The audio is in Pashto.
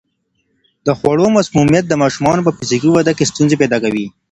د خوړو مسمومیت د ماشومانو په فزیکي وده کې ستونزې پیدا کوي.